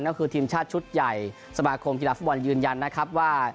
ก็คือทีมชาติชุดใหญ่สมาคมกีฬาฟุตบอลยืนยันนะครับว่า